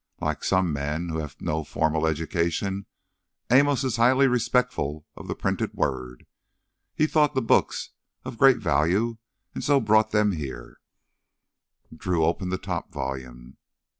Like some men who have no formal education, Amos is highly respectful of the printed word. He thought the books of great value and so brought them here." Drew opened the top volume.